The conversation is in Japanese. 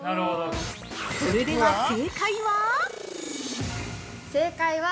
◆それでは、正解は？